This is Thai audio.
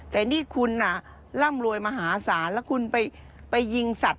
แต่นี่คุณร่ำรวยมหาศาลแล้วคุณไปยิงสัตว